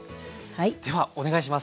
ではお願いします。